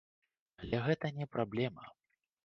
Але гэта не праблема.